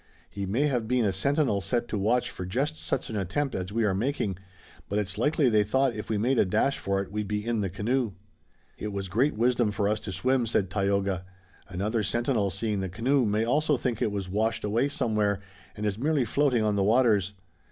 "He may have been a sentinel set to watch for just such an attempt as we are making, but it's likely they thought if we made a dash for it we'd be in the canoe." "It was great wisdom for us to swim," said Tayoga. "Another sentinel seeing the canoe may also think it was washed away somewhere and is merely floating on the waters.